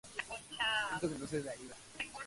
Así pues, son de carácter más personal.